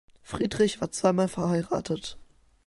Friedrich war zweimal verheiratet.